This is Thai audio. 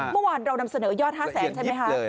เมื่อวานเรานำเสนอยอด๕แสนใช่ไหมคะ